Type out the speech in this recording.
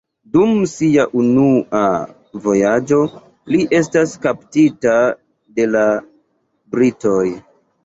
Dum sia unua vojaĝo li estas kaptita de la britoj.